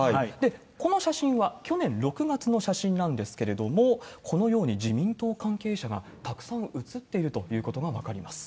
この写真は、去年６月の写真なんですけれども、このように、自民党関係者がたくさん写っているということが分かります。